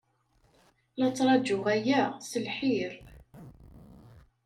La ttṛajuɣ aya s lḥir.